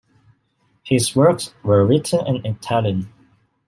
His works were written in Italian.